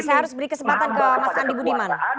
saya harus beri kesempatan ke mas andi budiman